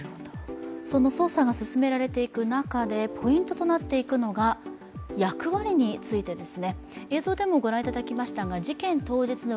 その捜査が進められていく中でポイントとなっていくのが役割についてです。